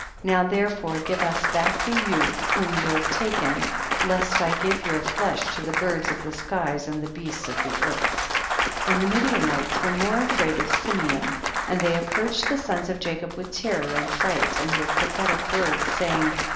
Now therefore give us back the yoiuh whom you have taken, lest I give your flesh to the birds of the skies and the beasts of the earth, 16. And the Midianites were more afraid of Simeon, and they approach ed the sons of Jacob with terror and fright, and with pathetic words, say ing.